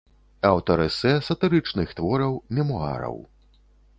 Аўтар эсэ, сатырычных твораў, мемуараў.